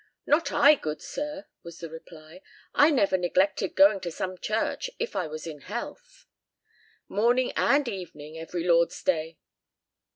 "Not I, good sir," was the reply; "I never neglected going to some church, if I was in health, morning and evening every Lord's day."